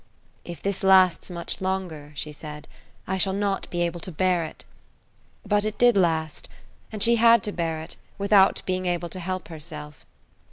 "If this lasts much longer," she said, "I shall not be able to bear it." But it did last, and she had to bear it, without being able to help herself.